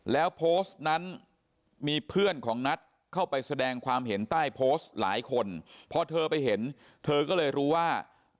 แล้วโพสต์นั้นมีเพื่อนของนัทเข้าไปแสดงความเห็นใต้โพสต์หลายคนพอเธอไปเห็นเธอก็เลยรู้ว่า